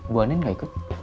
buah andin gak ikut